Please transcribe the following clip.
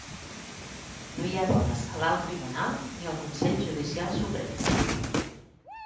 No hi ha dones a l'Alt Tribunal ni al Consell Judicial Suprem.